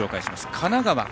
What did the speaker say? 神奈川。